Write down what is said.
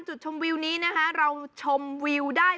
สุดยอดน้ำมันเครื่องจากญี่ปุ่น